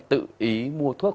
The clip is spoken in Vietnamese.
tự ý mua thuốc